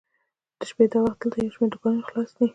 د شپې دا وخت دلته یو شمېر دوکانونه خلاص دي.